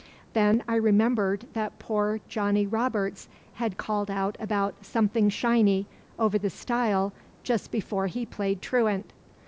Then I remembered that poor Johnnie Roberts had called out about 'something shiny' over the stile just before he played truant.